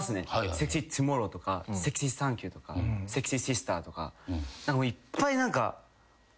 「セクシートゥモロー」とか「セクシーサンキュー」とか「セクシーシスター」とかいっぱい何か。